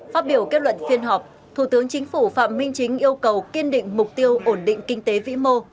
phát biểu kết luận phiên họp thủ tướng chính phủ phạm minh chính yêu cầu kiên định mục tiêu ổn định kinh tế vĩ mô